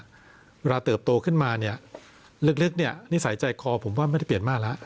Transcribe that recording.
เวลาเติบโตขึ้นมาเนี่ยลึกเนี่ยนิสัยใจคอผมว่าไม่ได้เปลี่ยนมากแล้ว